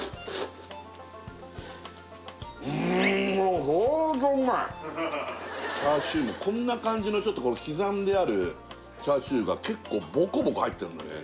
うんもうチャーシューもこんな感じのちょっと刻んであるチャーシューが結構ボコボコ入ってんのよね